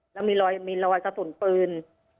แล้วมีรอยกระสุนปืน